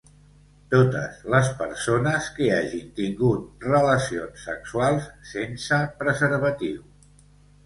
Totes les persones que hagin tingut relacions sexuals sense preservatiu.